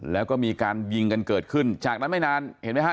แล้วก็มีการยิงกันเกิดขึ้นจากนั้นไม่นานเห็นไหมฮะ